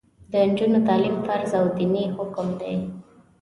د نجونو تعلیم فرض او دیني حکم دی.